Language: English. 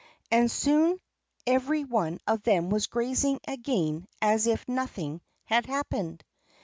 And soon every one of them was grazing again as if nothing had happened.